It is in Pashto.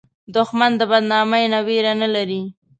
دښمن له بدنامۍ نه ویره نه لري